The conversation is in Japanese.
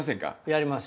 やります。